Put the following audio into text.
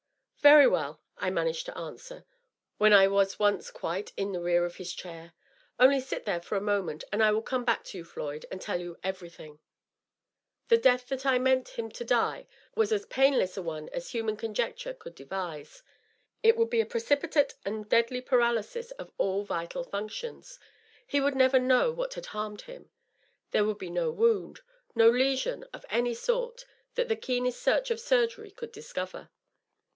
" Very well,'' I managed to answer, when I was once quite in the rear of his chair. " Only sit there for a moment, and I will come back to you, Floyd, and tell you everything." The death that I meant him to die was as painless a one as human conjecture could devise. It would be a precipitate and deadly paraly sis of all vital functions. He would never know what had harmed him. There would be no wound — ^no lesion of any sort that the keenest search of surgery could discover.